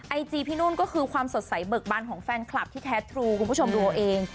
ไอจีพี่นุ่นก็คือความสดใสเบิกบันของแฟนคลับที่แท้ทรูคุณผู้ชมดูเอาเอง